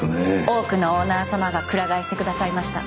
多くのオーナー様がくら替えしてくださいました。